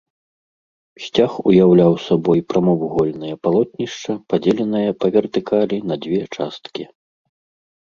Сцяг уяўляў сабой прамавугольнае палотнішча, падзеленае па вертыкалі на дзве часткі.